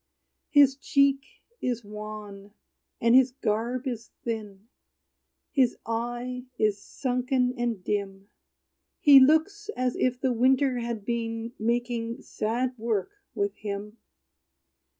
His cheek is wan, and his garb is thin; His eye is sunken and dim; He looks as if the winter had been Making sad work with him.